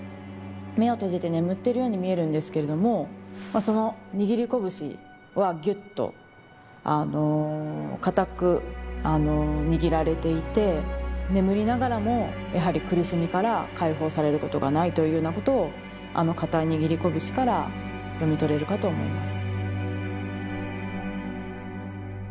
目を閉じて眠っているように見えるんですけれどもまあその握り拳はギュッとかたくあの握られていて眠りながらもやはり苦しみから解放されることがないというようなことをあのかたい握り拳から読み取れるかと思います。